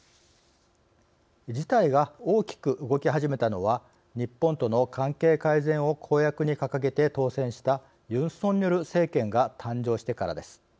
事態が大きく動き始めたのは日本との関係改善を公約に掲げて当選したユン・ソンニョル政権が誕生してからです。